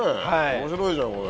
面白いじゃんこれ。